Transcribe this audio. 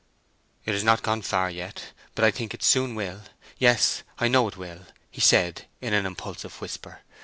"It has not gone far yet, but I think it will soon—yes, I know it will," he said, in an impulsive whisper.